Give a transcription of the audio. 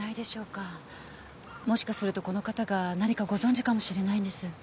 もしかするとこの方が何かご存じかもしれないんです。